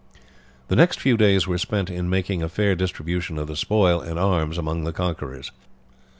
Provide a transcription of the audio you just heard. The next few days were spent in making a fair distribution of the spoil and arms among the conquerors.